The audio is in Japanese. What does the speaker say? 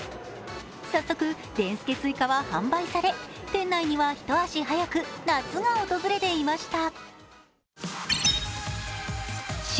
早速、でんすけすいかは販売され、店内には一足早く夏が訪れていました。